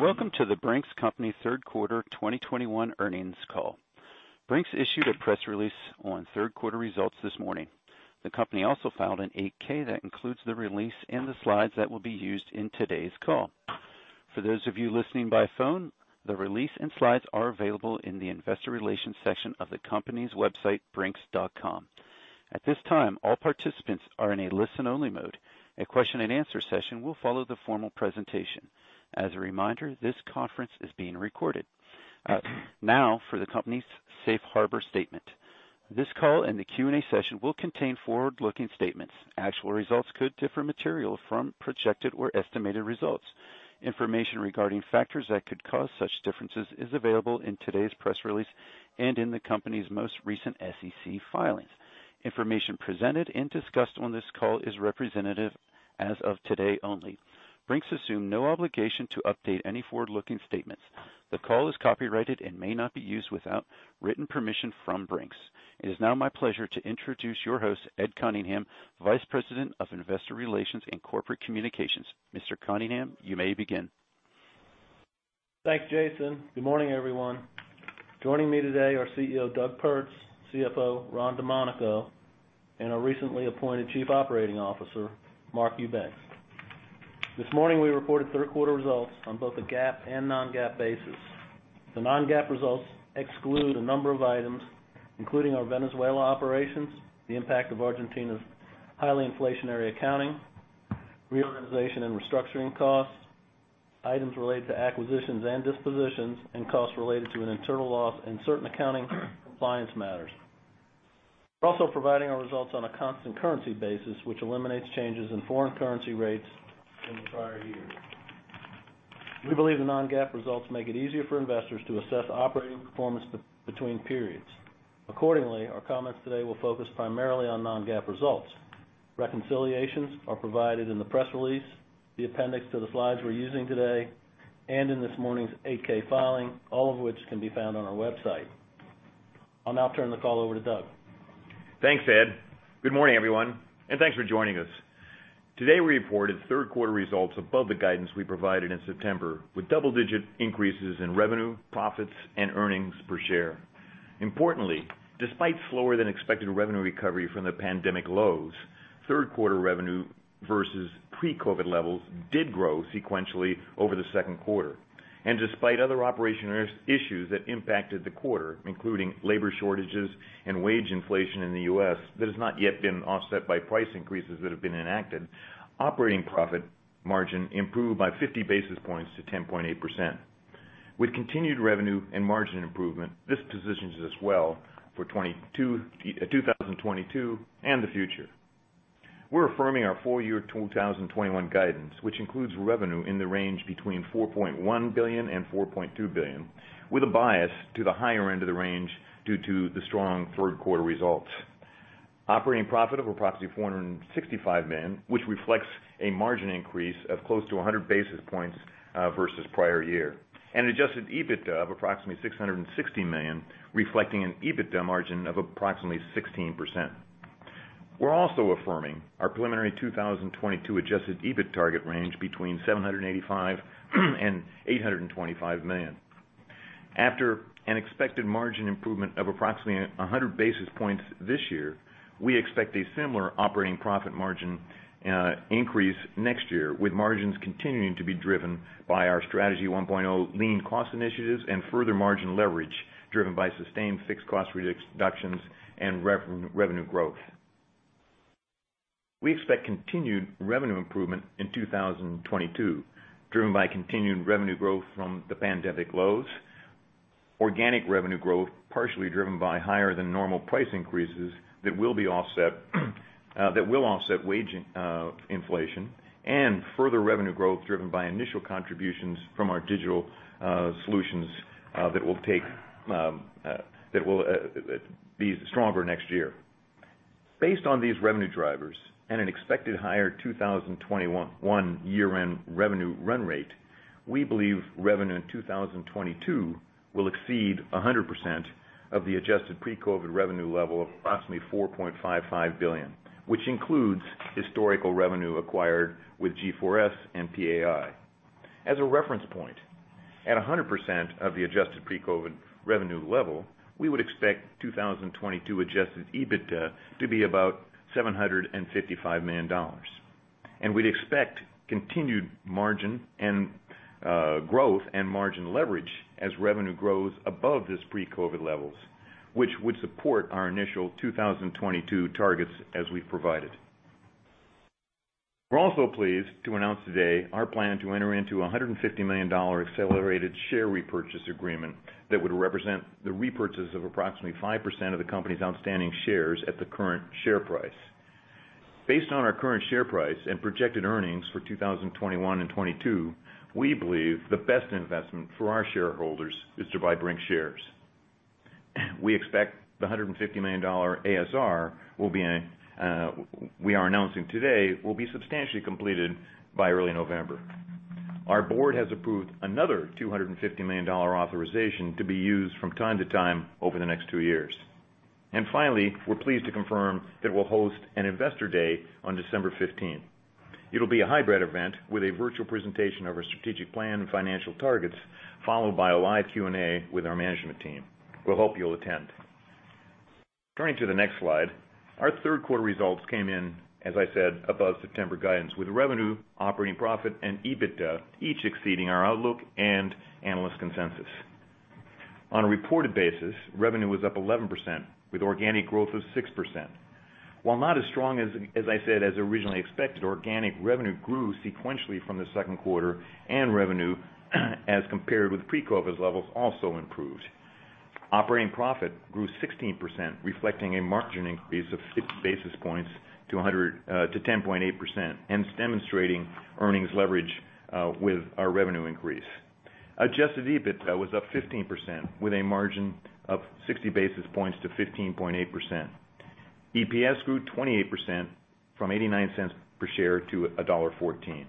Welcome to The Brink's Company third quarter 2021 earnings call. Brink's issued a press release on third quarter results this morning. The company also filed an 8-K. That includes the release and the slides that will be used in today's call. For those of you listening by phone, the release and slides are available in the investor relations section of the company's website, brinks.com. At this time, all participants are in a listen-only mode. A question and answer session will follow the formal presentation. As a reminder, this conference is being recorded. Now for the company's safe harbor statement. This call and the Q&A session will contain forward-looking statements. Actual results could differ materially from projected or estimated results. Information regarding factors that could cause such differences is available in today's press release and in the company's most recent SEC filings. Information presented and discussed on this call is representative as of today only. Brink's assumes no obligation to update any forward-looking statements. The call is copyrighted and may not be used without written permission from Brink's. It is now my pleasure to introduce your host, Ed Cunningham, Vice President of Investor Relations and Corporate Communications. Mr. Cunningham, you may begin. Thanks, Jason. Good morning, everyone. Joining me today are CEO Doug Pertz, CFO Ron Domanico, and our recently appointed Chief Operating Officer, Mark Eubanks. This morning, we reported third quarter results on both a GAAP and non-GAAP basis. The non-GAAP results exclude a number of items, including our Venezuela operations, the impact of Argentina's highly inflationary accounting, reorganization and restructuring costs, items related to acquisitions and dispositions, and costs related to an internal loss and certain accounting compliance matters. We're also providing our results on a constant currency basis, which eliminates changes in foreign currency rates in the prior year. We believe the non-GAAP results make it easier for investors to assess operating performance between periods. Accordingly, our comments today will focus primarily on non-GAAP results. Reconciliations are provided in the press release, the appendix to the slides we're using today, and in this morning's 8-K filing, all of which can be found on our website. I'll now turn the call over to Doug. Thanks, Ed. Good morning, everyone, and thanks for joining us. Today, we reported third quarter results above the guidance we provided in September, with double-digit increases in revenue, profits and earnings per share. Importantly, despite slower than expected revenue recovery from the pandemic lows, third quarter revenue versus pre-COVID levels did grow sequentially over the second quarter. Despite other operational issues that impacted the quarter, including labor shortages and wage inflation in the U.S. that has not yet been offset by price increases that have been enacted, operating profit margin improved by 50 basis points to 10.8%. With continued revenue and margin improvement, this positions us well for 2022 and the future. We're affirming our full year 2021 guidance, which includes revenue in the range between $4.1 billion and $4.2 billion, with a bias to the higher end of the range due to the strong third quarter results. Operating profit of approximately $465 million, which reflects a margin increase of close to 100 basis points versus prior year. Adjusted EBITDA of approximately $660 million, reflecting an EBITDA margin of approximately 16%. We're also affirming our preliminary 2022 adjusted EBIT target range between $785 million and $825 million. After an expected margin improvement of approximately 100 basis points this year, we expect a similar operating profit margin increase next year, with margins continuing to be driven by our Strategy 1.0 lean cost initiatives and further margin leverage driven by sustained fixed cost reductions and revenue growth. We expect continued revenue improvement in 2022, driven by continued revenue growth from the pandemic lows, organic revenue growth, partially driven by higher than normal price increases that will offset wage inflation and further revenue growth driven by initial contributions from our digital solutions that will be stronger next year. Based on these revenue drivers and an expected higher 2021 year-end revenue run rate, we believe revenue in 2022 will exceed 100% of the adjusted pre-COVID revenue level of approximately $4.55 billion, which includes historical revenue acquired with G4S and PAI. As a reference point, at 100% of the adjusted pre-COVID revenue level, we would expect 2022 adjusted EBITDA to be about $755 million. We'd expect continued margin and growth and margin leverage as revenue grows above this pre-COVID levels, which would support our initial 2022 targets as we've provided. We're also pleased to announce today our plan to enter into a $150 million accelerated share repurchase agreement that would represent the repurchase of approximately 5% of the company's outstanding shares at the current share price. Based on our current share price and projected earnings for 2021 and 2022, we believe the best investment for our shareholders is to buy Brink's shares. We expect the $150 million ASR will be substantially completed by early November. Our board has approved another $250 million authorization to be used from time to time over the next two years. Finally, we're pleased to confirm that we'll host an investor day on December 15th. It'll be a hybrid event with a virtual presentation of our strategic plan and financial targets, followed by a live Q&A with our management team. We hope you'll attend. Turning to the next slide, our third quarter results came in, as I said, above September guidance, with revenue, operating profit, and EBITDA, each exceeding our outlook and analyst consensus. On a reported basis, revenue was up 11% with organic growth of 6%. While not as strong as I said, as originally expected, organic revenue grew sequentially from the second quarter, and revenue as compared with pre-COVID levels also improved. Operating profit grew 16%, reflecting a margin increase of 6 basis points to 10.8%, hence demonstrating earnings leverage with our revenue increase. Adjusted EBITDA was up 15% with a margin of 60 basis points to 15.8%. EPS grew 28% from $0.89 per share to $1.14.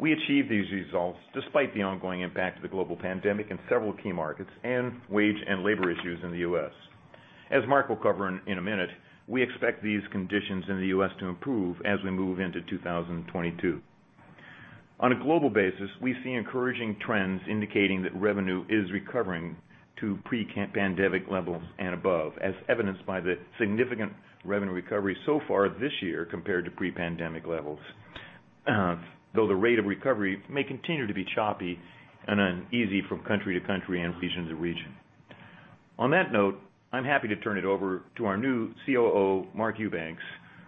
We achieved these results despite the ongoing impact of the global pandemic in several key markets and wage and labor issues in the U.S. As Mark will cover in a minute, we expect these conditions in the U.S. to improve as we move into 2022. On a global basis, we see encouraging trends indicating that revenue is recovering to pre-pandemic levels and above, as evidenced by the significant revenue recovery so far this year compared to pre-pandemic levels. Though the rate of recovery may continue to be choppy and uneasy from country to country and region to region. On that note, I'm happy to turn it over to our new COO, Mark Eubanks,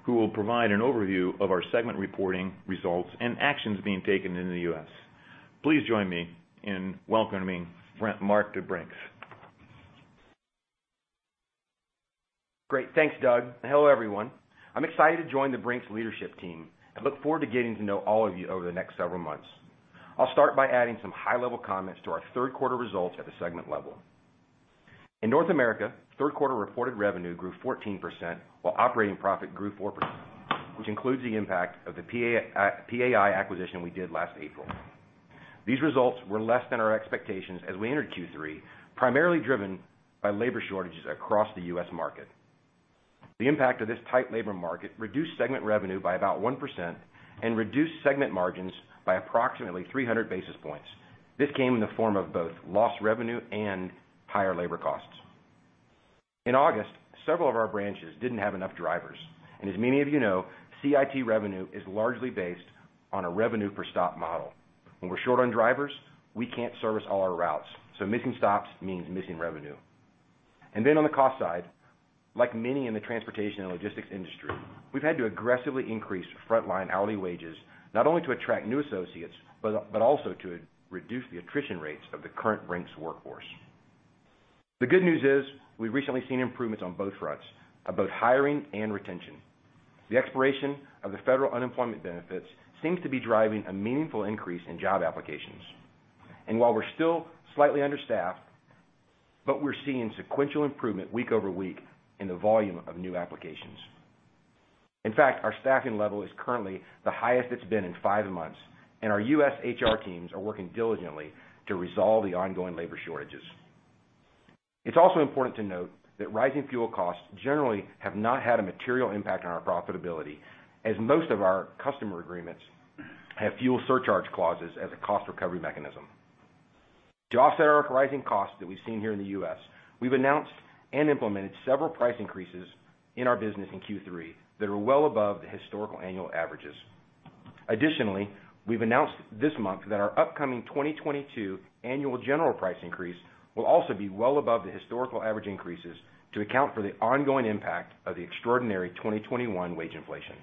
who will provide an overview of our segment reporting results and actions being taken in the U.S. Please join me in welcoming Mark to Brink's. Great. Thanks, Doug, and hello, everyone. I'm excited to join the Brink's leadership team. I look forward to getting to know all of you over the next several months. I'll start by adding some high-level comments to our third quarter results at the segment level. In North America, third quarter reported revenue grew 14%, while operating profit grew 4%, which includes the impact of the PAI acquisition we did last April. These results were less than our expectations as we entered Q3, primarily driven by labor shortages across the U.S. market. The impact of this tight labor market reduced segment revenue by about 1% and reduced segment margins by approximately 300 basis points. This came in the form of both lost revenue and higher labor costs. In August, several of our branches didn't have enough drivers, and as many of you know, CIT revenue is largely based on a revenue per stop model. When we're short on drivers, we can't service all our routes, so missing stops means missing revenue. On the cost side, like many in the transportation and logistics industry, we've had to aggressively increase frontline hourly wages, not only to attract new associates but also to reduce the attrition rates of the current Brink's workforce. The good news is we've recently seen improvements on both fronts about hiring and retention. The expiration of the federal unemployment benefits seems to be driving a meaningful increase in job applications. While we're still slightly understaffed, but we're seeing sequential improvement week over week in the volume of new applications. In fact, our staffing level is currently the highest it's been in five months, and our U.S. HR teams are working diligently to resolve the ongoing labor shortages. It's also important to note that rising fuel costs generally have not had a material impact on our profitability, as most of our customer agreements have fuel surcharge clauses as a cost recovery mechanism. To offset our rising costs that we've seen here in the U.S., we've announced and implemented several price increases in our business in Q3 that are well above the historical annual averages. Additionally, we've announced this month that our upcoming 2022 annual general price increase will also be well above the historical average increases to account for the ongoing impact of the extraordinary 2021 wage inflation.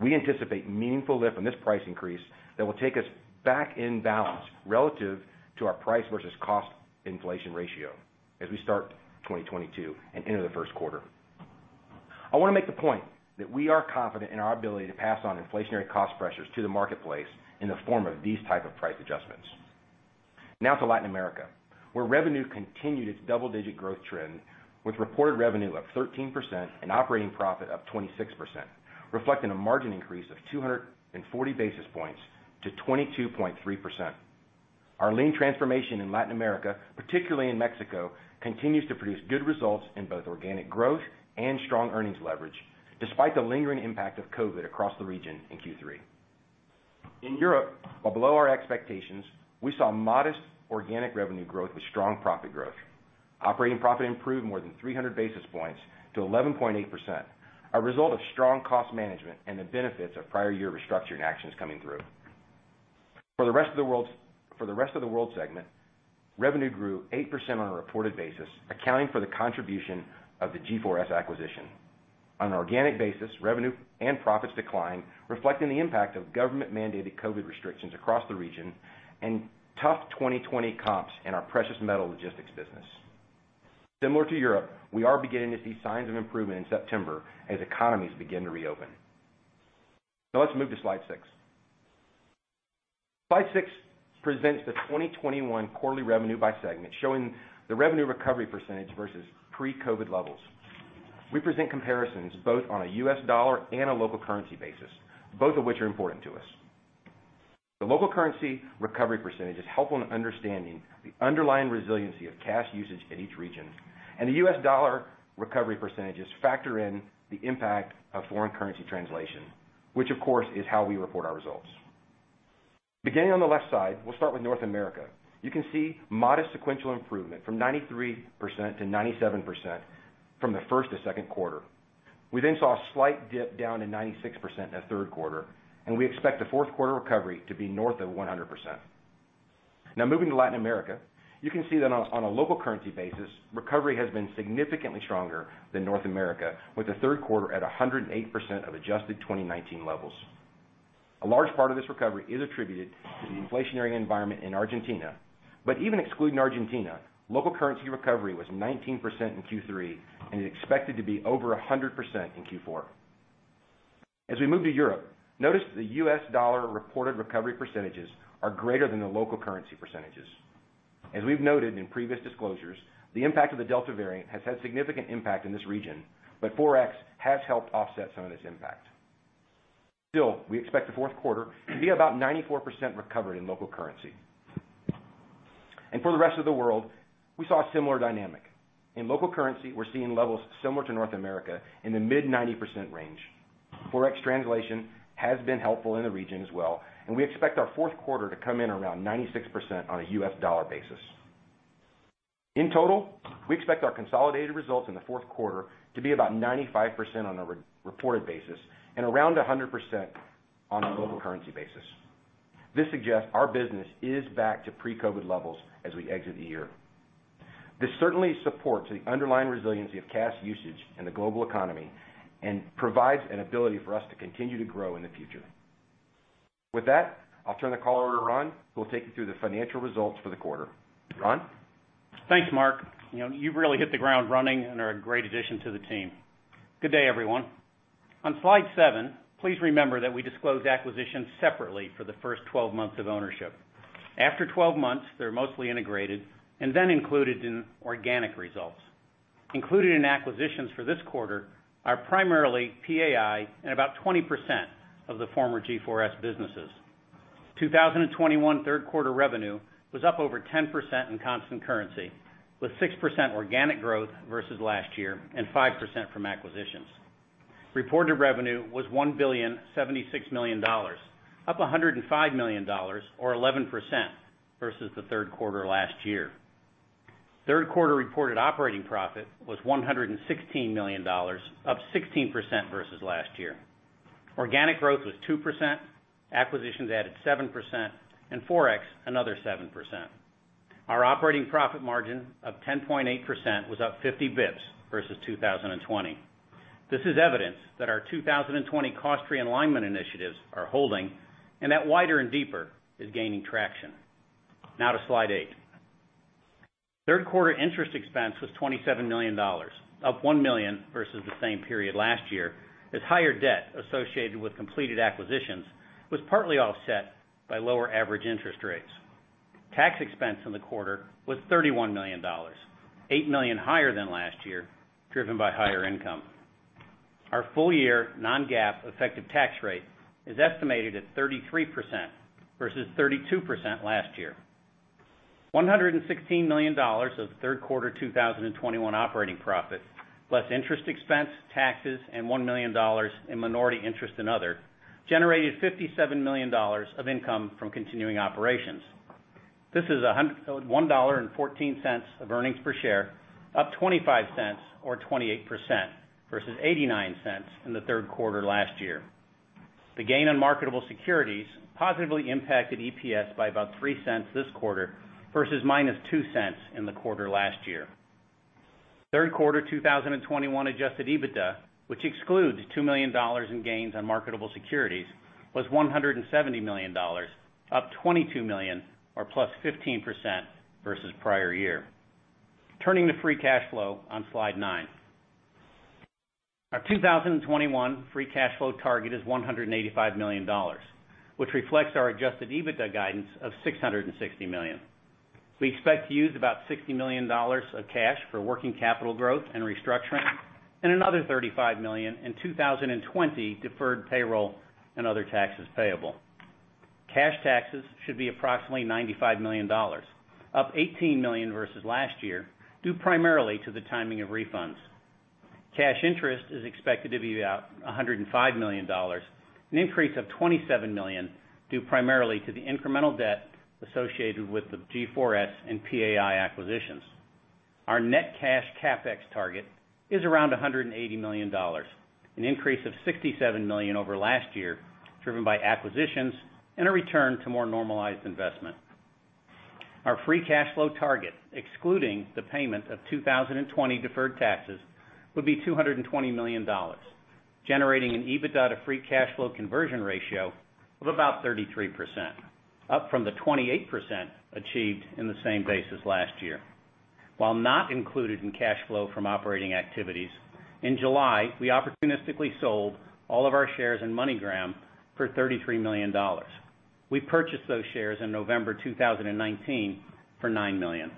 We anticipate meaningful lift from this price increase that will take us back in balance relative to our price versus cost inflation ratio as we start 2022 and into the first quarter. I want to make the point that we are confident in our ability to pass on inflationary cost pressures to the marketplace in the form of these type of price adjustments. Now to Latin America, where revenue continued its double-digit growth trend with reported revenue up 13% and operating profit up 26%, reflecting a margin increase of 240 basis points to 22.3%. Our lean transformation in Latin America, particularly in Mexico, continues to produce good results in both organic growth and strong earnings leverage, despite the lingering impact of COVID across the region in Q3. In Europe, while below our expectations, we saw modest organic revenue growth with strong profit growth. Operating profit improved more than 300 basis points to 11.8%, a result of strong cost management and the benefits of prior year restructuring actions coming through. For the rest of the world segment, revenue grew 8% on a reported basis, accounting for the contribution of the G4S acquisition. On an organic basis, revenue and profits declined, reflecting the impact of government-mandated COVID restrictions across the region and tough 2020 comps in our precious metal logistics business. Similar to Europe, we are beginning to see signs of improvement in September as economies begin to reopen. Now let's move to slide six. Slide six presents the 2021 quarterly revenue by segment, showing the revenue recovery percentage versus pre-COVID levels. We present comparisons both on a U.S. dollar and a local currency basis, both of which are important to us. The local currency recovery percentage is helpful in understanding the underlying resiliency of cash usage in each region, and the U.S. dollar recovery percentages factor in the impact of foreign currency translation, which of course, is how we report our results. Beginning on the left side, we'll start with North America. You can see modest sequential improvement from 93% to 97% from the first to second quarter. We then saw a slight dip down to 96% in the third quarter, and we expect the fourth quarter recovery to be north of 100%. Now moving to Latin America, you can see that on a local currency basis, recovery has been significantly stronger than North America with the third quarter at 108% of adjusted 2019 levels. A large part of this recovery is attributed to the inflationary environment in Argentina. Even excluding Argentina, local currency recovery was 19% in Q3 and is expected to be over 100% in Q4. As we move to Europe, notice the U.S. dollar reported recovery percentages are greater than the local currency percentages. As we've noted in previous disclosures, the impact of the Delta variant has had significant impact in this region, but Forex has helped offset some of its impact. Still, we expect the fourth quarter to be about 94% recovery in local currency. For the rest of the world, we saw a similar dynamic. In local currency, we're seeing levels similar to North America in the mid-90% range. Forex translation has been helpful in the region as well, and we expect our fourth quarter to come in around 96% on a U.S. dollar basis. In total, we expect our consolidated results in the fourth quarter to be about 95% on a re-reported basis and around 100% on a local currency basis. This suggests our business is back to pre-COVID levels as we exit the year. This certainly supports the underlying resiliency of cash usage in the global economy and provides an ability for us to continue to grow in the future. With that, I'll turn the call over to Ron, who will take you through the financial results for the quarter. Ron? Thanks, Mark. You know, you've really hit the ground running and are a great addition to the team. Good day, everyone. On slide seven, please remember that we disclose acquisitions separately for the first 12 months of ownership. After 12 months, they're mostly integrated and then included in organic results. Included in acquisitions for this quarter are primarily PAI and about 20% of the former G4S businesses. 2021 third quarter revenue was up over 10% in constant currency, with 6% organic growth versus last year and 5% from acquisitions. Reported revenue was $1,076 million, up $105 million or 11% versus the third quarter last year. Third quarter reported operating profit was $116 million, up 16% versus last year. Organic growth was 2%, acquisitions added 7%, and Forex another 7%. Our operating profit margin of 10.8% was up 50 bps versus 2020. This is evidence that our 2020 cost realignment initiatives are holding, and that Wider and Deeper is gaining traction. Now to slide eight. Third quarter interest expense was $27 million, up $1 million versus the same period last year, as higher debt associated with completed acquisitions was partly offset by lower average interest rates. Tax expense in the quarter was $31 million, $8 million higher than last year, driven by higher income. Our full year non-GAAP effective tax rate is estimated at 33% versus 32% last year. $116 million of third quarter 2021 operating profit, plus interest expense, taxes, and $1 million in minority interest and other, generated $57 million of income from continuing operations. This is $1.14 of earnings per share, up $0.25 or 28% versus $0.89 in the third quarter last year. The gain on marketable securities positively impacted EPS by about $0.03 this quarter versus -$0.02 in the quarter last year. Third quarter 2021 adjusted EBITDA, which excludes $2 million in gains on marketable securities, was $170 million, up $22 million or +15% versus prior year. Turning to free cash flow on slide nine. Our 2021 free cash flow target is $185 million, which reflects our adjusted EBITDA guidance of $660 million. We expect to use about $60 million of cash for working capital growth and restructuring, and another $35 million in 2020 deferred payroll and other taxes payable. Cash taxes should be approximately $95 million, up $18 million versus last year, due primarily to the timing of refunds. Cash interest is expected to be about $105 million, an increase of $27 million, due primarily to the incremental debt associated with the G4S and PAI acquisitions. Our net cash CapEx target is around $180 million, an increase of $67 million over last year, driven by acquisitions and a return to more normalized investment. Our free cash flow target, excluding the payment of 2020 deferred taxes, would be $220 million, generating an EBITDA to free cash flow conversion ratio of about 33%, up from the 28% achieved in the same basis last year. While not included in cash flow from operating activities, in July, we opportunistically sold all of our shares in MoneyGram for $33 million. We purchased those shares in November 2019 for $9 million.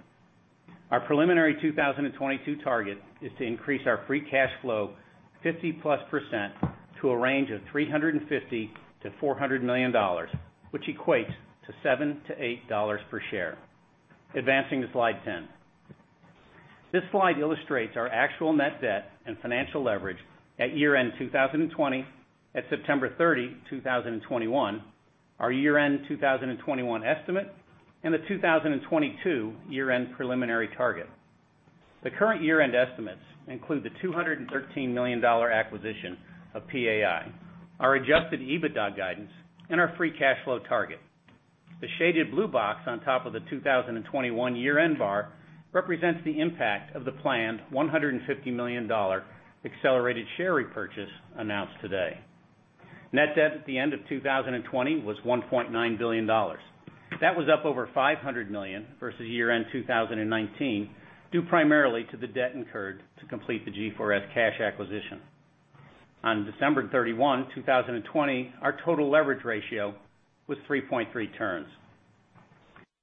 Our preliminary 2022 target is to increase our free cash flow 50%+ to a range of $350 million-$400 million, which equates to $7-$8 per share. Advancing to slide 10. This slide illustrates our actual net debt and financial leverage at year-end 2020, at September 30, 2021, our year-end 2021 estimate, and the 2022 year-end preliminary target. The current year-end estimates include the $213 million acquisition of PAI, our adjusted EBITDA guidance, and our free cash flow target. The shaded blue box on top of the 2021 year-end bar represents the impact of the planned $150 million accelerated share repurchase announced today. Net debt at the end of 2020 was $1.9 billion. That was up over $500 million versus year-end 2019, due primarily to the debt incurred to complete the G4S cash acquisition. On December 31, 2020, our total leverage ratio was 3.3x.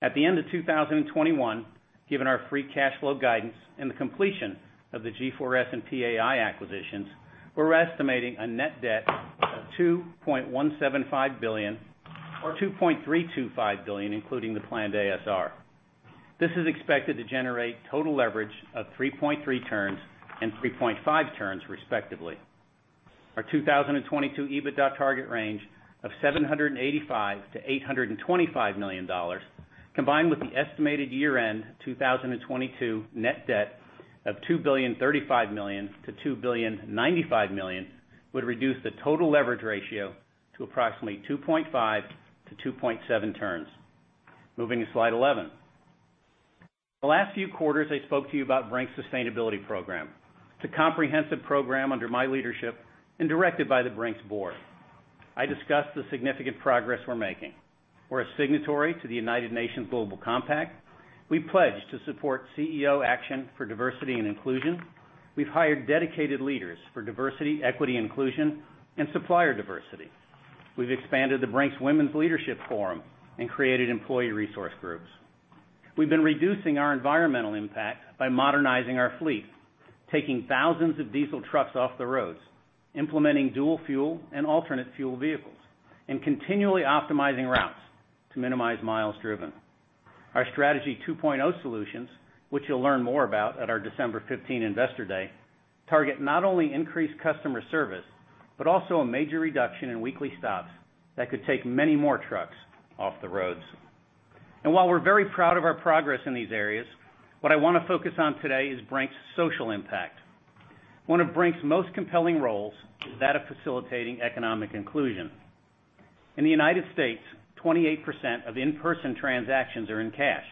At the end of 2021, given our free cash flow guidance and the completion of the G4S and PAI acquisitions, we're estimating a net debt of $2.175 billion or $2.325 billion, including the planned ASR. This is expected to generate total leverage of 3.3x and 3.5x respectively. Our 2022 EBITDA target range of $785 million-$825 million, combined with the estimated year-end 2022 net debt of $2.035 billion-$2.095 billion, would reduce the total leverage ratio to approximately 2.5x-2.7x. Moving to slide 11. The last few quarters, I spoke to you about Brink's sustainability program. It's a comprehensive program under my leadership and directed by the Brink's board. I discussed the significant progress we're making. We're a signatory to the United Nations Global Compact. We pledge to support CEO Action for Diversity and Inclusion. We've hired dedicated leaders for diversity, equity, inclusion, and supplier diversity. We've expanded the Brink's Women's Leadership Forum and created employee resource groups. We've been reducing our environmental impact by modernizing our fleet, taking thousands of diesel trucks off the roads, implementing dual fuel and alternate fuel vehicles, and continually optimizing routes to minimize miles driven. Our Strategy 2.0 solutions, which you'll learn more about at our December 15 investor day, target not only increased customer service, but also a major reduction in weekly stops that could take many more trucks off the roads. While we're very proud of our progress in these areas, what I want to focus on today is Brink's social impact. One of Brink's most compelling roles is that of facilitating economic inclusion. In the United States, 28% of in-person transactions are in cash,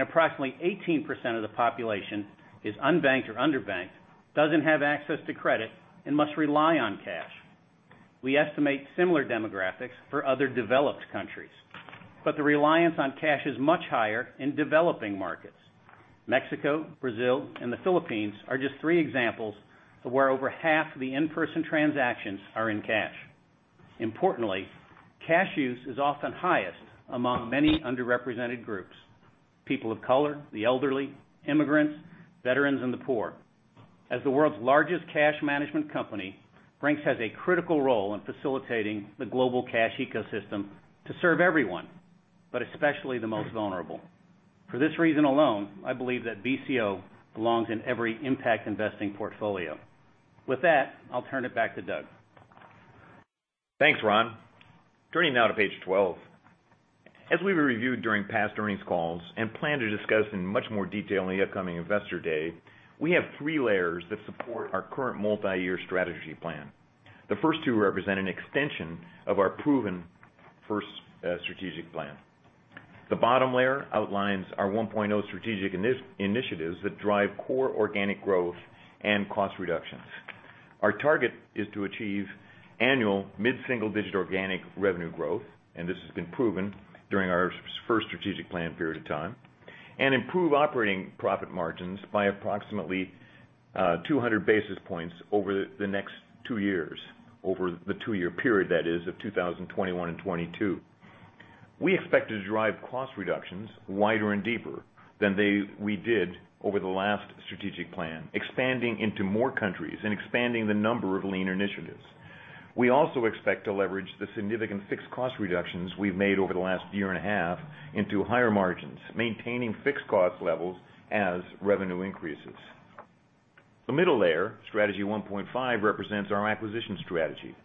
and approximately 18% of the population is unbanked or underbanked, doesn't have access to credit, and must rely on cash. We estimate similar demographics for other developed countries, but the reliance on cash is much higher in developing markets. Mexico, Brazil, and the Philippines are just three examples of where over half the in-person transactions are in cash. Importantly, cash use is often highest among many underrepresented groups, people of color, the elderly, immigrants, veterans, and the poor. As the world's largest cash management company, Brink's has a critical role in facilitating the global cash ecosystem to serve everyone, but especially the most vulnerable. For this reason alone, I believe that BCO belongs in every impact investing portfolio. With that, I'll turn it back to Doug. Thanks, Ron. Turning now to page 12. As we reviewed during past earnings calls and plan to discuss in much more detail in the upcoming investor day, we have three layers that support our current multi-year strategy plan. The first two represent an extension of our proven first strategic plan. The bottom layer outlines our 1.0 strategic initiatives that drive core organic growth and cost reductions. Our target is to achieve annual mid-single-digit organic revenue growth, and this has been proven during our first strategic plan period of time, and improve operating profit margins by approximately 200 basis points over the next two years, over the two-year period that is of 2021 and 2022. We expect to drive cost reductions Wider and Deeper than we did over the last strategic plan, expanding into more countries and expanding the number of lean initiatives. We also expect to leverage the significant fixed cost reductions we've made over the last year and a half into higher margins, maintaining fixed cost levels as revenue increases. The middle layer, Strategy 1.5, represents our acquisition strategy.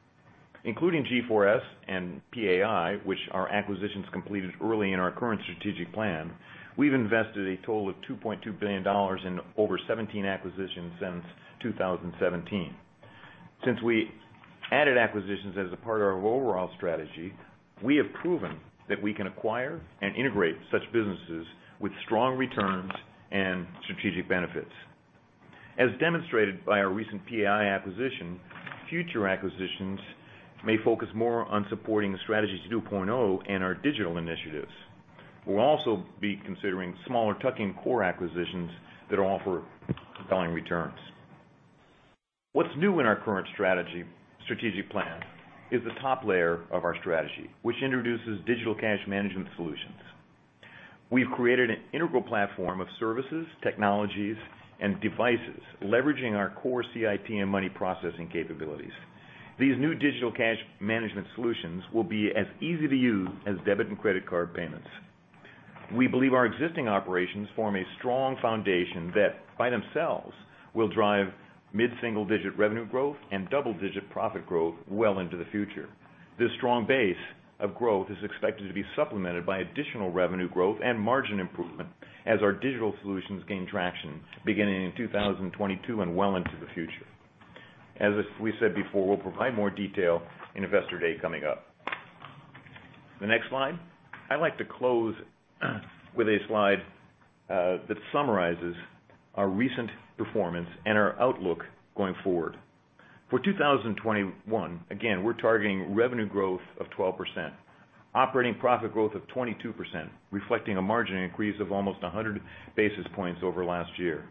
Including G4S and PAI, which are acquisitions completed early in our current strategic plan, we've invested a total of $2.2 billion in over 17 acquisitions since 2017. Since we added acquisitions as a part of our overall strategy, we have proven that we can acquire and integrate such businesses with strong returns and strategic benefits. As demonstrated by our recent PAI acquisition, future acquisitions may focus more on supporting the Strategy 2.0 and our digital initiatives. We'll also be considering smaller tuck-in core acquisitions that offer compelling returns. What's new in our current strategy, strategic plan is the top layer of our strategy, which introduces digital cash management solutions. We've created an integral platform of services, technologies, and devices leveraging our core CIT and money processing capabilities. These new digital cash management solutions will be as easy to use as debit and credit card payments. We believe our existing operations form a strong foundation that, by themselves, will drive mid-single-digit revenue growth and double-digit profit growth well into the future. This strong base of growth is expected to be supplemented by additional revenue growth and margin improvement as our digital solutions gain traction beginning in 2022 and well into the future. As we said before, we'll provide more detail in Investor Day coming up. The next slide. I'd like to close with a slide that summarizes our recent performance and our outlook going forward. For 2021, again, we're targeting revenue growth of 12%, operating profit growth of 22%, reflecting a margin increase of almost 100 basis points over last year.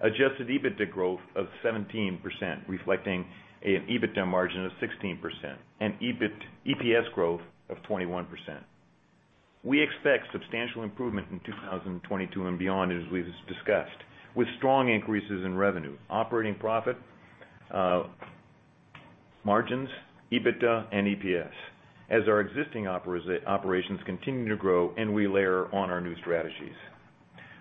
Adjusted EBITDA growth of 17%, reflecting an EBITDA margin of 16% and EPS growth of 21%. We expect substantial improvement in 2022 and beyond, as we just discussed, with strong increases in revenue, operating profit, margins, EBITDA, and EPS as our existing operations continue to grow and we layer on our new strategies.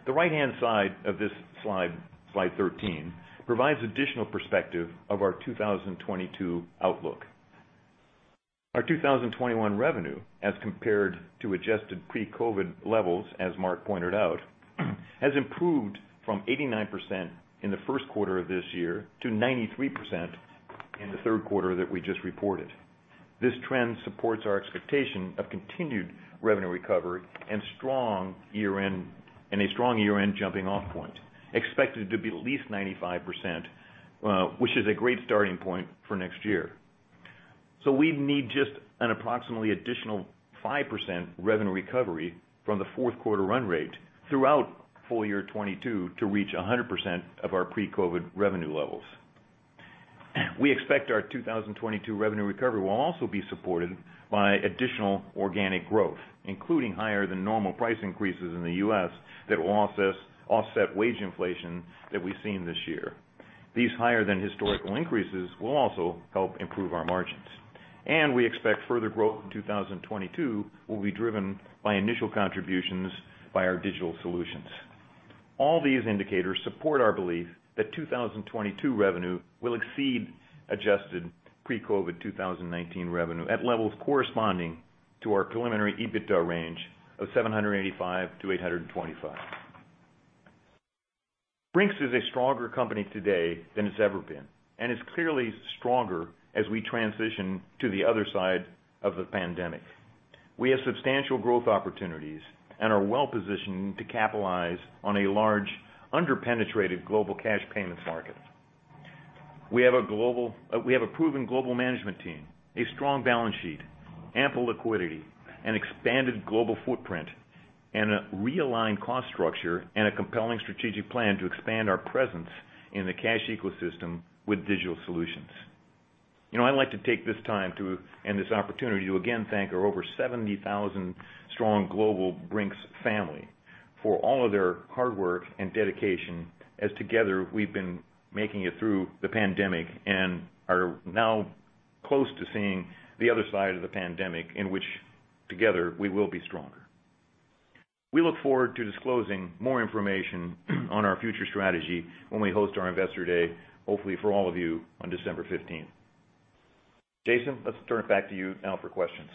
The right-hand side of this slide 13, provides additional perspective of our 2022 outlook. Our 2021 revenue as compared to adjusted pre-COVID levels, as Mark pointed out, has improved from 89% in the first quarter of this year to 93% in the third quarter that we just reported. This trend supports our expectation of continued revenue recovery and strong year-end jumping off point, expected to be at least 95%, which is a great starting point for next year. We need just an approximately additional 5% revenue recovery from the fourth quarter run rate throughout full year 2022 to reach 100% of our pre-COVID revenue levels. We expect our 2022 revenue recovery will also be supported by additional organic growth, including higher than normal price increases in the U.S. that will offset wage inflation that we've seen this year. These higher than historical increases will also help improve our margins. We expect further growth in 2022 will be driven by initial contributions by our digital solutions. All these indicators support our belief that 2022 revenue will exceed adjusted pre-COVID 2019 revenue at levels corresponding to our preliminary EBITDA range of $785-$825. Brink's is a stronger company today than it's ever been, and it's clearly stronger as we transition to the other side of the pandemic. We have substantial growth opportunities and are well-positioned to capitalize on a large under-penetrated global cash payments market. We have a proven global management team, a strong balance sheet, ample liquidity, an expanded global footprint, and a realigned cost structure, and a compelling strategic plan to expand our presence in the cash ecosystem with digital solutions. You know, I'd like to take this time to, and this opportunity to again thank our over 70,000 strong global Brink's family for all of their hard work and dedication as together we've been making it through the pandemic and are now close to seeing the other side of the pandemic in which together we will be stronger. We look forward to disclosing more information on our future strategy when we host our Investor Day, hopefully for all of you on December15th. Jason, let's turn it back to you now for questions.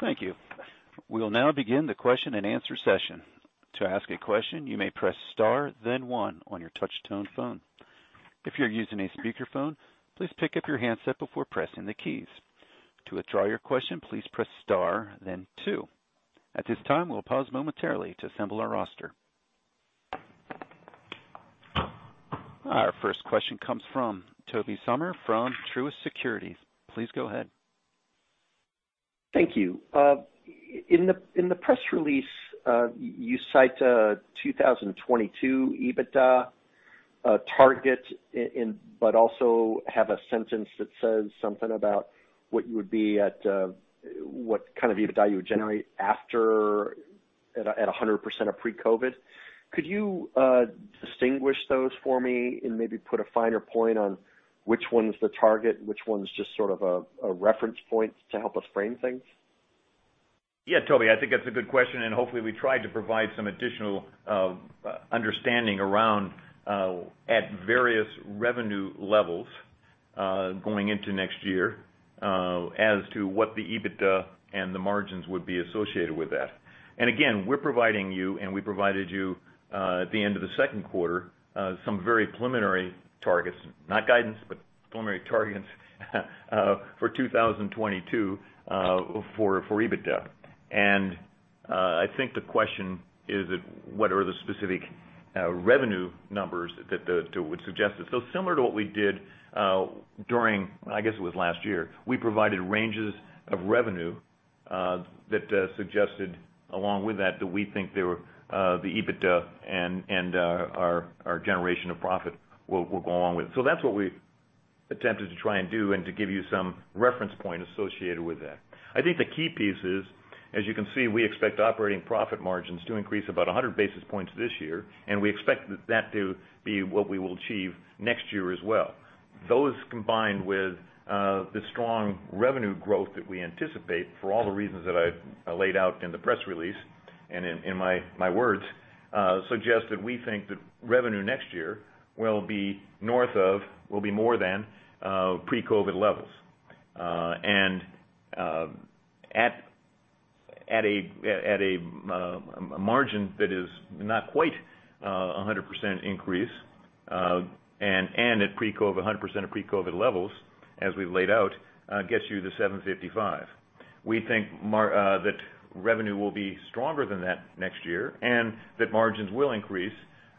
Thank you. We'll now begin the question and answer session. To ask a question, you may press star then one on your touch tone phone. If you're using a speakerphone, please pick up your handset before pressing the keys. To withdraw your question, please press star then two. At this time, we'll pause momentarily to assemble our roster. Our first question comes from Tobey Sommer from Truist Securities. Please go ahead. Thank you. In the press release, you cite a 2022 EBITDA target, but also have a sentence that says something about what you would be at, what kind of EBITDA you would generate after, at a hundred percent of pre-COVID. Could you distinguish those for me and maybe put a finer point on which one's the target and which one's just sort of a reference point to help us frame things? Yeah, Tobey, I think that's a good question, and hopefully we tried to provide some additional understanding around the various revenue levels going into next year as to what the EBITDA and the margins would be associated with that. Again, we're providing you and we provided you at the end of the second quarter some very preliminary targets, not guidance, but preliminary targets for 2022 for EBITDA. I think the question is what are the specific revenue numbers that would suggest this. Similar to what we did during, I guess it was last year, we provided ranges of revenue that suggested along with that the EBITDA and our generation of profit will go along with. That's what we've attempted to try and do and to give you some reference point associated with that. I think the key piece is, as you can see, we expect operating profit margins to increase about 100 basis points this year, and we expect that to be what we will achieve next year as well. Those combined with the strong revenue growth that we anticipate for all the reasons that I've laid out in the press release and in my words suggest that we think that revenue next year will be more than pre-COVID levels and at a margin that is not quite 100% increase and at pre-COVID, 100% of pre-COVID levels as we've laid out gets you the $755. We think that revenue will be stronger than that next year and that margins will increase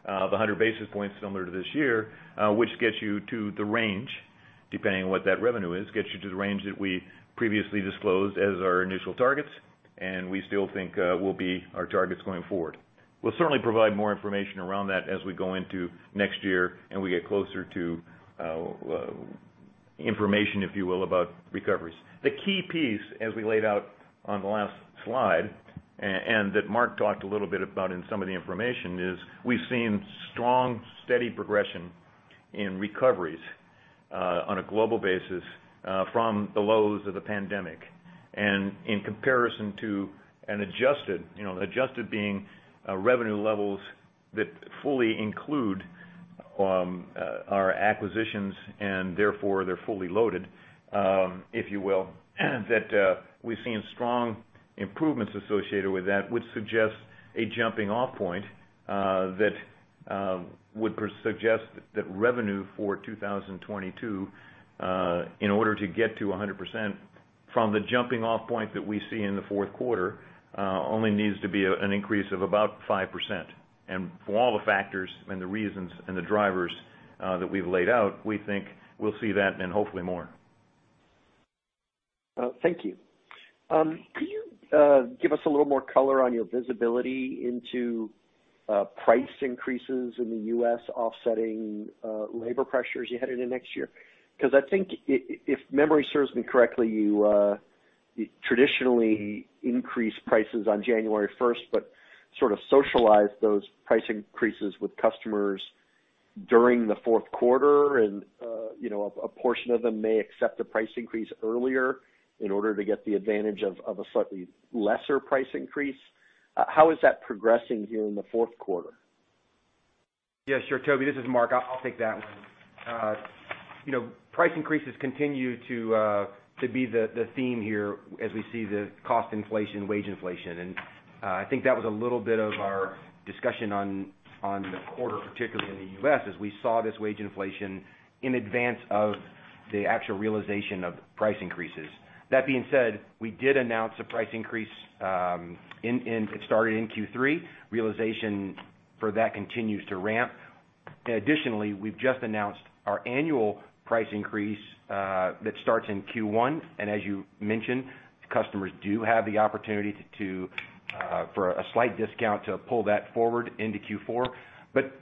by 100 basis points similar to this year, which gets you to the range depending on what that revenue is, gets you to the range that we previously disclosed as our initial targets, and we still think will be our targets going forward. We'll certainly provide more information around that as we go into next year and we get closer to information, if you will, about recoveries. The key piece as we laid out on the last slide and that Mark talked a little bit about in some of the information is we've seen strong, steady progression in recoveries on a global basis from the lows of the pandemic. In comparison to an adjusted, you know, being revenue levels that fully include our acquisitions, and therefore, they're fully loaded, if you will, we've seen strong improvements associated with that, which suggests a jumping off point that would suggest that revenue for 2022, in order to get to 100% from the jumping off point that we see in the fourth quarter, only needs to be an increase of about 5%. For all the factors and the reasons and the drivers that we've laid out, we think we'll see that and hopefully more. Thank you. Could you give us a little more color on your visibility into price increases in the U.S. offsetting labor pressures you had in the next year? 'Cause I think if memory serves me correctly, you traditionally increase prices on January first, but sort of socialize those price increases with customers during the fourth quarter. You know, a portion of them may accept a price increase earlier in order to get the advantage of a slightly lesser price increase. How is that progressing here in the fourth quarter? Yeah, sure. Tobey, this is Mark. I'll take that one. You know, price increases continue to be the theme here as we see the cost inflation, wage inflation. I think that was a little bit of our discussion on the quarter, particularly in the U.S., as we saw this wage inflation in advance of the actual realization of price increases. That being said, we did announce a price increase. It started in Q3. Realization for that continues to ramp. Additionally, we've just announced our annual price increase that starts in Q1. As you mentioned, customers do have the opportunity for a slight discount to pull that forward into Q4.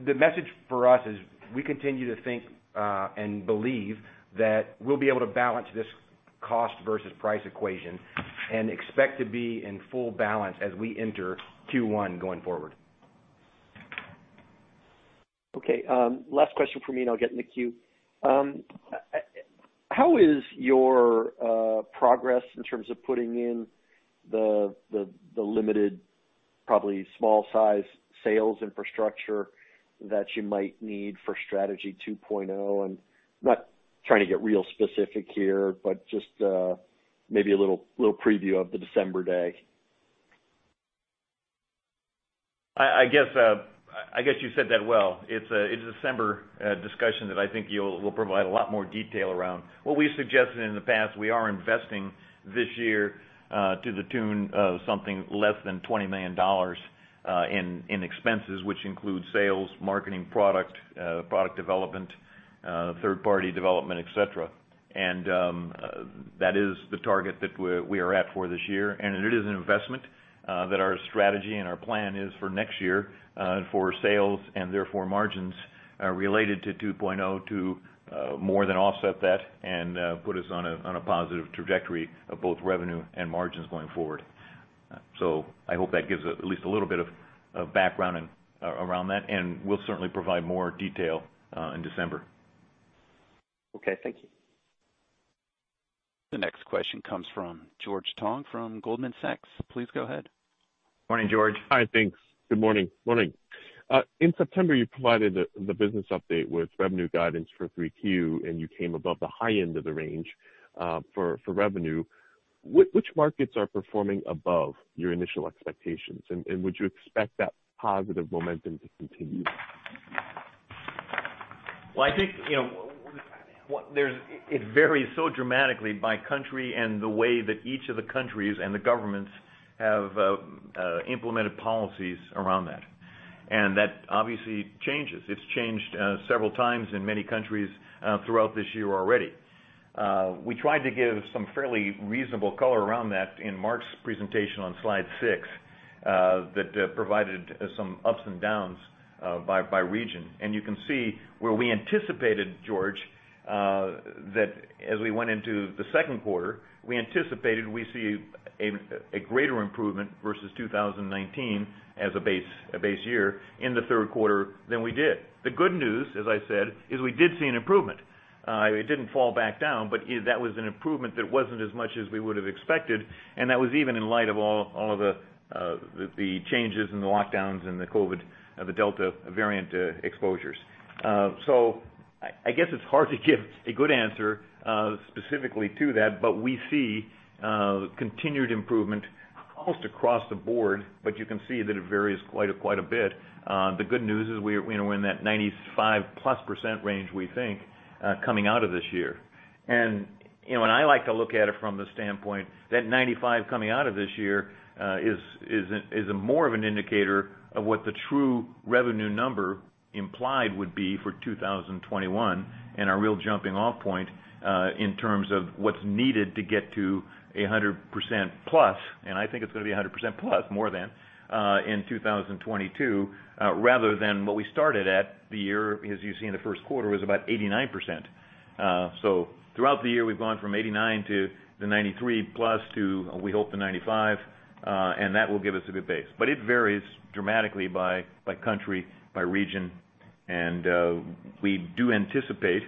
The message for us is we continue to think, and believe that we'll be able to balance this cost versus price equation and expect to be in full balance as we enter Q1 going forward. Okay. Last question for me, and I'll get in the queue. How is your progress in terms of putting in the limited, probably small size sales infrastructure that you might need for Strategy 2.0? I'm not trying to get real specific here, but just maybe a little preview of the December data. I guess you said that well. It's a December discussion that I think we'll provide a lot more detail around. What we've suggested in the past, we are investing this year to the tune of something less than $20 million in expenses, which includes sales, marketing, product development, third-party development, et cetera. That is the target that we are at for this year. It is an investment that our strategy and our plan is for next year for sales and therefore margins related to 2.0 to more than offset that and put us on a positive trajectory of both revenue and margins going forward. I hope that gives at least a little bit of background and around that, and we'll certainly provide more detail in December. Okay. Thank you. The next question comes from George Tong from Goldman Sachs. Please go ahead. Morning, George. Hi. Thanks. Good morning. Morning. In September, you provided the business update with revenue guidance for 3Q, and you came above the high end of the range for revenue. Which markets are performing above your initial expectations? Would you expect that positive momentum to continue? Well, I think, you know, it varies so dramatically by country and the way that each of the countries and the governments have implemented policies around that. That obviously changes. It's changed several times in many countries throughout this year already. We tried to give some fairly reasonable color around that in Mark's presentation on slide six, that provided some ups and downs by region. You can see where we anticipated, George, that as we went into the second quarter, we anticipated we see a greater improvement versus 2019 as a base year in the third quarter than we did. The good news, as I said, is we did see an improvement. It didn't fall back down, but that was an improvement that wasn't as much as we would have expected, and that was even in light of all of the changes and the lockdowns and the COVID, the Delta variant exposures. I guess it's hard to give a good answer specifically to that. We see continued improvement almost across the board, but you can see that it varies quite a bit. The good news is we're, you know, in that 95%+ range, we think, coming out of this year. You know, I like to look at it from the standpoint that 95 coming out of this year is more of an indicator of what the true revenue number implied would be for 2021 and our real jumping-off point in terms of what's needed to get to 100% plus, and I think it's gonna be 100% plus, more than in 2022 rather than what we started at the year, as you see in the first quarter, was about 89%. Throughout the year, we've gone from 89% to the 93% plus to, we hope, the 95%, and that will give us a good base. It varies dramatically by country, by region, and we do anticipate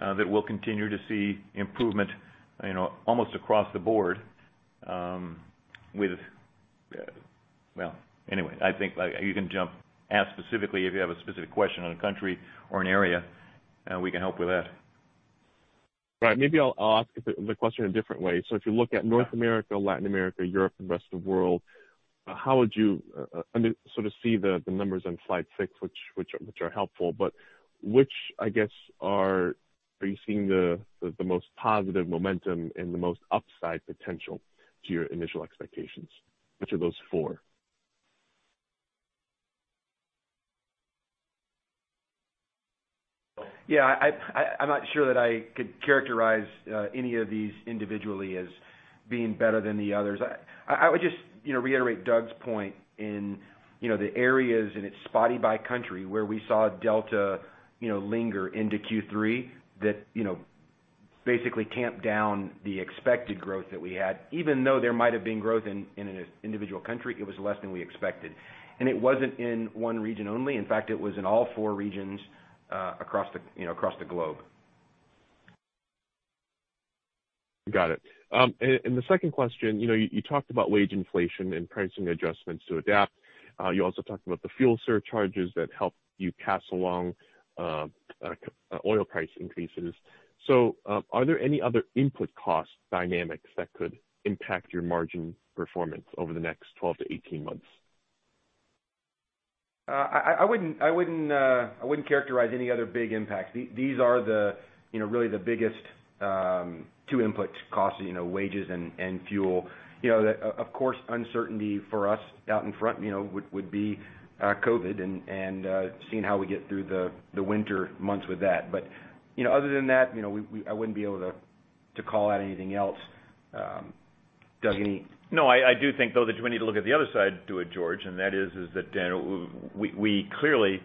that we'll continue to see improvement, you know, almost across the board. Well, anyway, I think, like, you can ask specifically if you have a specific question on a country or an area, we can help with that. Right. Maybe I'll ask the question a different way. If you look at North America, Latin America, Europe, and the rest of the world, how would you, I mean, sort of see the numbers on slide six, which are helpful, but which, I guess, are you seeing the most positive momentum and the most upside potential to your initial expectations, which are those four? Yeah. I'm not sure that I could characterize any of these individually as being better than the others. I would just, you know, reiterate Doug's point in, you know, the areas, and it's spotty by country, where we saw Delta, you know, linger into Q3 that, you know, basically tamp down the expected growth that we had. Even though there might have been growth in an individual country, it was less than we expected. It wasn't in one region only. In fact, it was in all four regions across the, you know, across the globe. Got it. The second question, you know, you talked about wage inflation and pricing adjustments to adapt. You also talked about the fuel surcharges that help you pass along oil price increases. Are there any other input cost dynamics that could impact your margin performance over the next 12-18 months? I wouldn't characterize any other big impacts. These are you know, really the biggest two input costs, you know, wages and fuel. You know, of course, uncertainty for us out in front, you know, would be COVID and seeing how we get through the winter months with that. You know, other than that, you know, I wouldn't be able to call out anything else. Doug, any- No, I do think, though, that we need to look at the other side to it, George, and that is that we clearly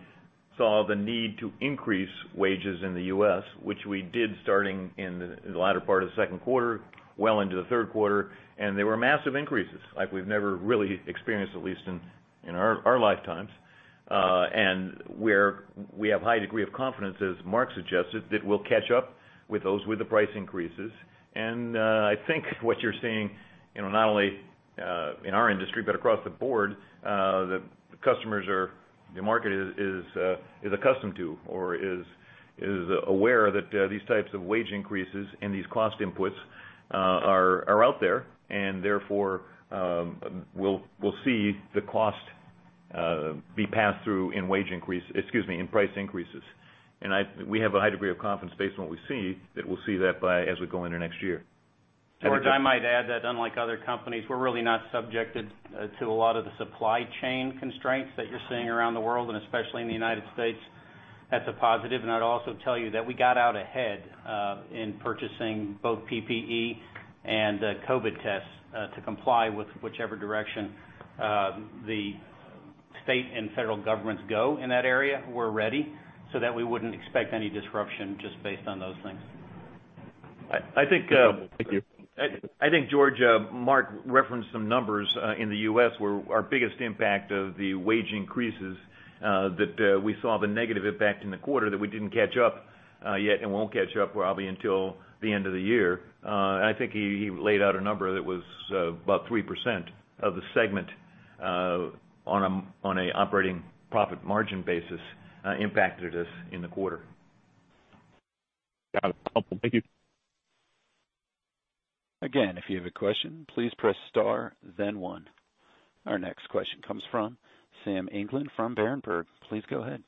saw the need to increase wages in the U.S., which we did starting in the latter part of the second quarter, well into the third quarter. There were massive increases like we've never really experienced, at least in our lifetimes. We have high degree of confidence, as Mark suggested, that we'll catch up with those with the price increases. I think what you're seeing, you know, not only in our industry but across the board, the market is accustomed to or is aware that these types of wage increases and these cost inputs are out there, and therefore, we'll see the cost be passed through in price increases. We have a high degree of confidence based on what we see that we'll see that, yes, as we go into next year. George, I might add that unlike other companies, we're really not subjected to a lot of the supply chain constraints that you're seeing around the world, and especially in the United States. That's a positive. I'd also tell you that we got out ahead in purchasing both PPE and COVID tests to comply with whichever direction the state and federal governments go in that area. We're ready so that we wouldn't expect any disruption just based on those things. I think Thank you. I think, George, Mark referenced some numbers in the U.S. where our biggest impact of the wage increases that we saw the negative impact in the quarter that we didn't catch up yet and won't catch up probably until the end of the year. I think he laid out a number that was about 3% of the segment on a operating profit margin basis impacted us in the quarter. Got it. Helpful. Thank you. Again, if you have a question, please press star then one. Our next question comes from Sam England from Berenberg. Please go ahead.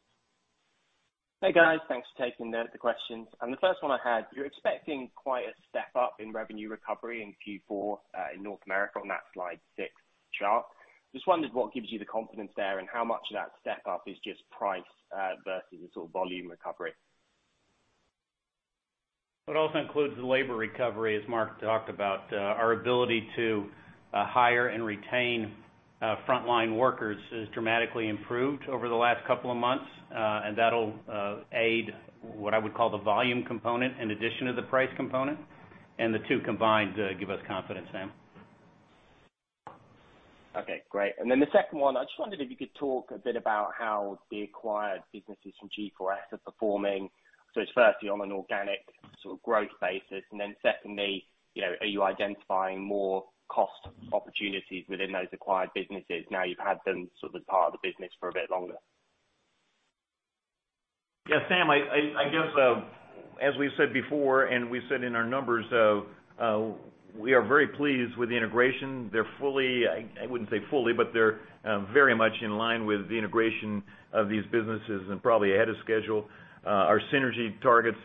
Hey guys, thanks for taking the questions. The first one I had, you're expecting quite a step up in revenue recovery in Q4 in North America on that slide six chart. Just wondered what gives you the confidence there and how much of that step up is just price versus sort of volume recovery. It also includes the labor recovery, as Mark talked about. Our ability to hire and retain frontline workers has dramatically improved over the last couple of months. That'll aid what I would call the volume component in addition to the price component. The two combined give us confidence, Sam. Okay, great. The second one, I just wondered if you could talk a bit about how the acquired businesses from G4S are performing. It's firstly on an organic sort of growth basis, and then secondly, you know, are you identifying more cost opportunities within those acquired businesses now you've had them sort of as part of the business for a bit longer? Yeah, Sam, I guess, as we've said before, and we've said in our numbers, we are very pleased with the integration. I wouldn't say fully, but they're very much in line with the integration of these businesses and probably ahead of schedule. Our synergy targets,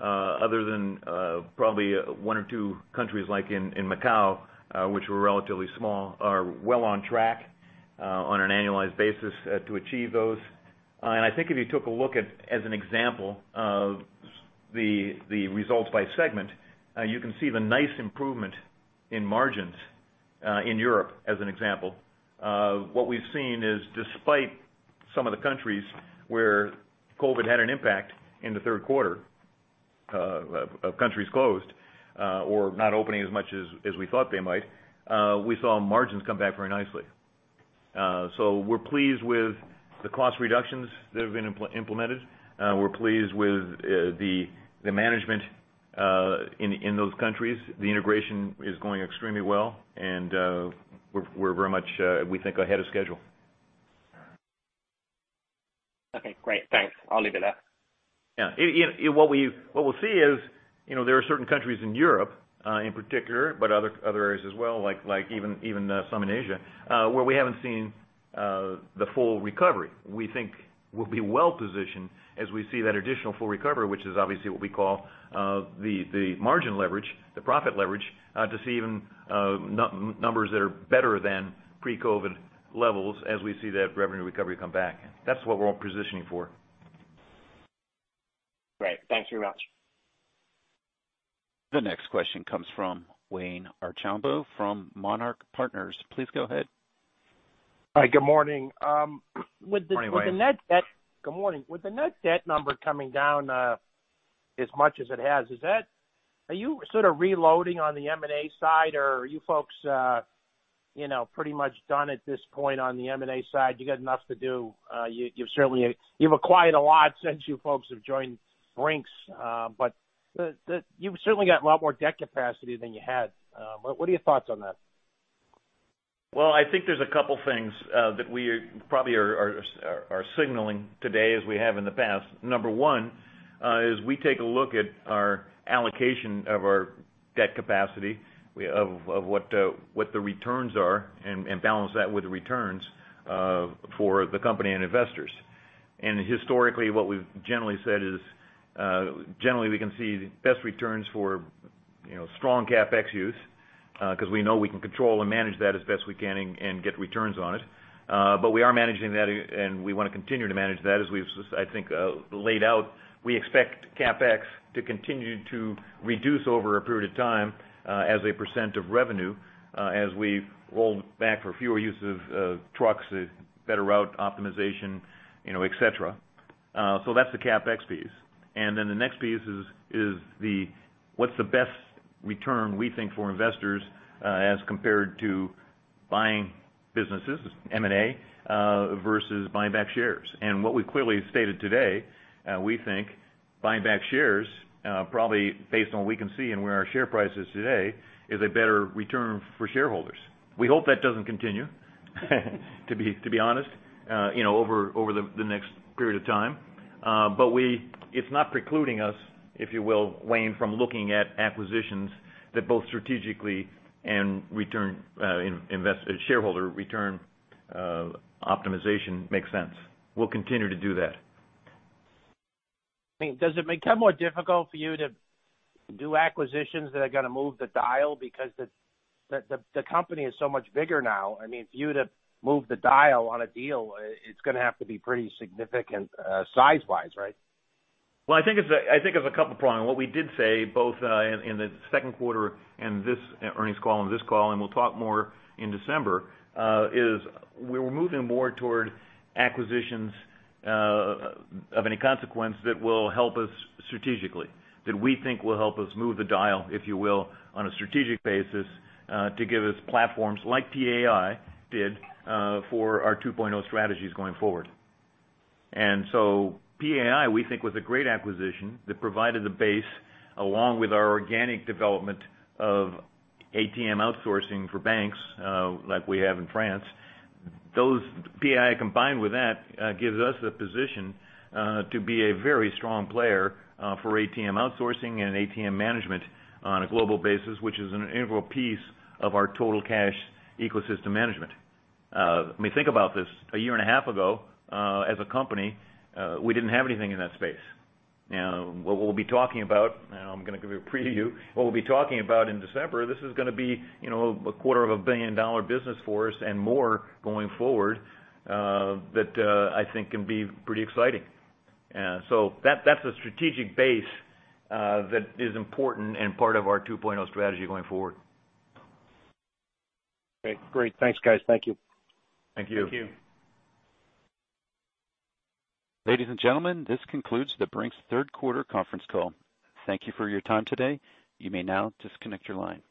other than probably one or two countries like in Macau, which were relatively small, are well on track, on an annualized basis, to achieve those. I think if you took a look at, as an example, the results by segment, you can see the nice improvement in margins in Europe, as an example. What we've seen is despite some of the countries where COVID had an impact in the third quarter, of countries closed, or not opening as much as we thought they might, we saw margins come back very nicely. We're pleased with the cost reductions that have been implemented. We're pleased with the management in those countries. The integration is going extremely well, and we're very much, we think, ahead of schedule. Okay, great. Thanks. I'll leave it there. Yeah. What we'll see is, you know, there are certain countries in Europe, in particular, but other areas as well, like even some in Asia, where we haven't seen the full recovery. We think we'll be well-positioned as we see that additional full recovery, which is obviously what we call the margin leverage, the profit leverage, to see even numbers that are better than pre-COVID levels as we see that revenue recovery come back. That's what we're all positioning for. Great. Thanks very much. The next question comes from Wayne Archambo from Monarch Partners. Please go ahead. Hi, good morning. Morning, Wayne. Good morning. With the net debt number coming down as much as it has, are you sort of reloading on the M&A side, or are you folks, you know, pretty much done at this point on the M&A side? You got enough to do. You've certainly acquired a lot since you folks have joined Brink's, but you've certainly got a lot more debt capacity than you had. What are your thoughts on that? Well, I think there's a couple things that we are probably signaling today as we have in the past. Number one is we take a look at our allocation of our debt capacity, of what the returns are and balance that with the returns for the company and investors. Historically, what we've generally said is, generally we can see best returns for, you know, strong CapEx use, 'cause we know we can control and manage that as best we can and get returns on it. We are managing that and we wanna continue to manage that. As we've, I think, laid out, we expect CapEx to continue to reduce over a period of time, as a % of revenue, as we roll back for fewer use of trucks, better route optimization, you know, et cetera. That's the CapEx piece. The next piece is what's the best return we think for investors, as compared to buying businesses, M&A, versus buying back shares. What we've clearly stated today, we think buying back shares, probably based on what we can see and where our share price is today, is a better return for shareholders. We hope that doesn't continue to be honest, you know, over the next period of time. We... It's not precluding us, if you will, Wayne, from looking at acquisitions that both strategically and return shareholder return optimization makes sense. We'll continue to do that. I mean, does it become more difficult for you to do acquisitions that are gonna move the dial because the company is so much bigger now? I mean, for you to move the dial on a deal, it's gonna have to be pretty significant, size-wise, right? I think there's a couple problems. What we did say both in the second quarter and this earnings call, on this call, and we'll talk more in December, is we're moving more toward acquisitions of any consequence that will help us strategically, that we think will help us move the dial, if you will, on a strategic basis, to give us platforms like PAI did for our Strategy 2.0 going forward. PAI, we think, was a great acquisition that provided the base, along with our organic development of ATM outsourcing for banks, like we have in France. Those PAI combined with that gives us the position to be a very strong player for ATM outsourcing and ATM management on a global basis, which is an integral piece of our total cash ecosystem management. I mean, think about this. A year and a half ago, as a company, we didn't have anything in that space. Now, I'm gonna give you a preview. What we'll be talking about in December, this is gonna be, you know, a quarter of a billion dollar business for us and more going forward, that I think can be pretty exciting. That, that's a strategic base that is important and part of our Strategy 2.0 going forward. Okay, great. Thanks, guys. Thank you. Thank you. Thank you. Ladies and gentlemen, this concludes the Brink's third quarter conference call. Thank you for your time today. You may now disconnect your line.